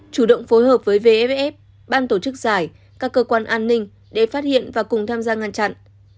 chủ động phối hợp với vff ban tổ chức giải các cơ quan an ninh để phát hiện và cùng tham gia ngăn chặn